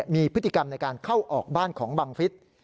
มีพฤติกรรมในการเข้าออกบ้านของบังฟิศ